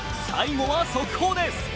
最後は速報です。